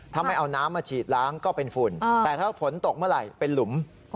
ถ้าไม่เอาน้ำมาฉีดล้างก็เป็นฝุ่นแต่ถ้าฝนตกเมื่อไหร่เป็นหลุม